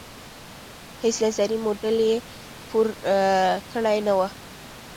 هیڅ نظري موډل یې پور کړې نه وه.